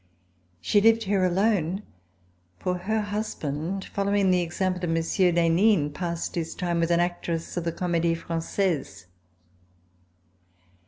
She lived here alone, for her husband, following the example of Monsieur d'Henin, passed his time with an actress of the Comedie Fran^aise.